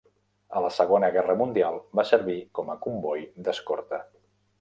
A la Segona Guerra Mundial va servir com a comboi d'escorta.